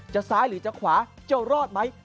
ซ้ายหรือจะขวาจะรอดไหม